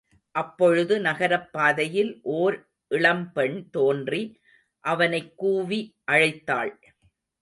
அப்பொழுது நகரப் பாதையில் ஓர் இளம் பெண் தோன்றி, அவனைக் கூவி அழைத்தாள்.